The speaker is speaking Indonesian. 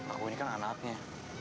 aku ini kan anaknya